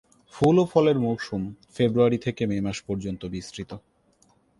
ফুল ও ফলের মৌসুম ফেব্রুয়ারি থেকে মে মাস পর্যন্ত বিস্তৃত।